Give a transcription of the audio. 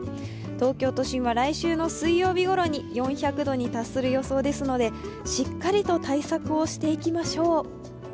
東京都心は来週の水曜日ごろに４００度に達する予想ですので、しっかりと対策をしていきましょう。